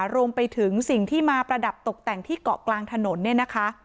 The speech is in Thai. รวมไปถึงสิ่งที่มาประดับตกแต่งที่เกาะกลางถนนเนี่ยนะคะ